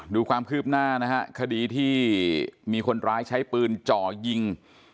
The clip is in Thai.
ดูความคืบหน้านะฮะคดีที่มีคนร้ายใช้ปืนจ่อยิง